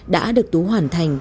đã được tú hoàn thành